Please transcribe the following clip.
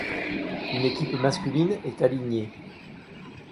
Une équipe masculine est alignée.